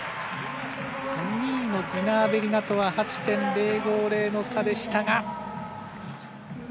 ２位のディナ・アベリナとは８．０５０の差でしたが。